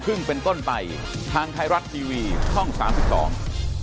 เป็นต้นไปทางไทยรัฐทีวีช่องสามสิบสอง